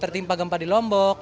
tertimpa gempa di lombok